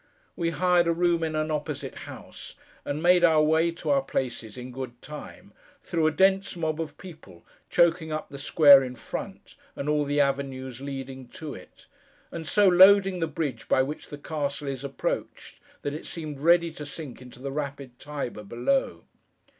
We hired a room in an opposite house, and made our way, to our places, in good time, through a dense mob of people choking up the square in front, and all the avenues leading to it; and so loading the bridge by which the castle is approached, that it seemed ready to sink into the rapid Tiber below.